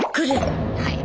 はい。